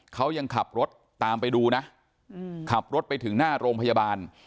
เขายังขับรถตามไปดูนะขับรถไปถึงหน้าโรงพยาบาล